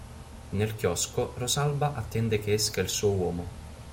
Nel chiosco Rosalba attende che esca il suo uomo.